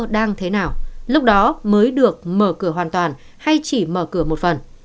đang thế nào lúc đó mới được mở cửa hoàn toàn hay chỉ mở cửa một phần